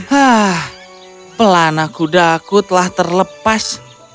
hah pelana kudaku telah terlepas